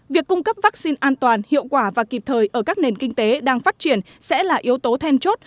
việc cung cấp vaccine an toàn hiệu quả và kịp thời ở các nền kinh tế đang phát triển sẽ là yếu tố then chốt